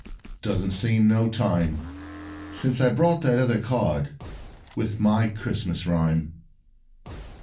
Doesn't seem no time Since I brought that other card With my Christmas rhyme.